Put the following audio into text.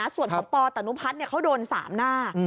ส่วนของปตนุพัฒน์เขาโดน๓หน้า